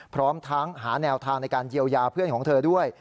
พร้อมทั้งหาแนวทางในการเยียวยาเพื่อนของเธอด้วย